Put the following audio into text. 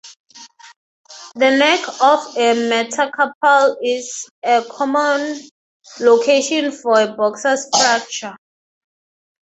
The neck of a metacarpal is a common location for a boxer's fracture.